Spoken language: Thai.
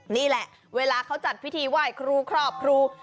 นี่แหละเวลาเขาจัดพิธีไหว้ครูครอบครู